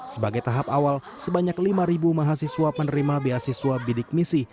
sebagai tahap awal sebanyak lima mahasiswa penerima beasiswa bidik misi